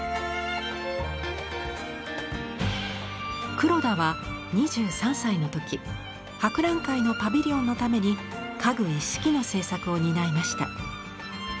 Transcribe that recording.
黒田は２３歳の時博覧会のパビリオンのために家具一式の制作を担いました。